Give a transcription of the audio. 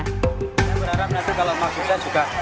saya berharap nanti kalau masuknya juga